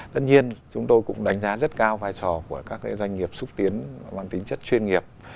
tất nhiên chúng tôi cũng đánh giá rất cao vai trò của các doanh nghiệp xúc tiến mang tính chất chuyên nghiệp